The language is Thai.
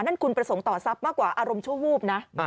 นั่นคุณประสงค์ต่อทรัพย์มากกว่าอารมณ์ชั่ววูบนะ